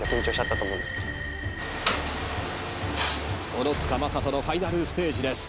小野塚雅人のファイナルステージです。